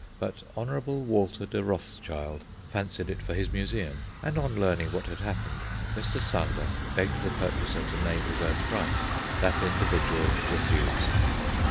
But Hon. Walter de Rothschild fancied it for his museum, and on learning what had happened Mr. Sander begged the purchaser to name his own price. That individual refused.